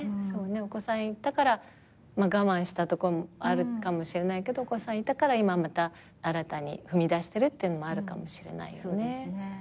お子さんいたから我慢したとこもあるかもしれないけどお子さんいたから今また新たに踏み出してるっていうのもあるかもしれないよね。